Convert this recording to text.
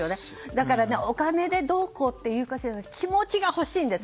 だからお金でどうこうではなく気持ちが欲しいんです。